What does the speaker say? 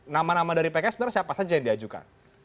nama nama dari pks sebenarnya siapa saja yang diajukan